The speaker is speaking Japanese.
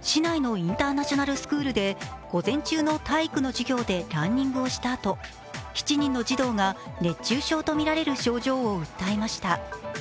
市内のインターナショナルスクールで午前中の体育の授業でランニングをしたあと７人の児童が熱中症とみられる症状を訴えました。